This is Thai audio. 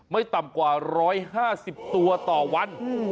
ไม่ต่ำกว่า๑๕๐ตัวต่อวัน